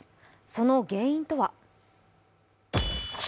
その原因とは？